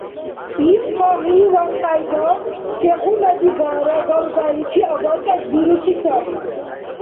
Ил, пагьливан кьяйда, сегъуна дигара галгаличи абацӀес бируси саби.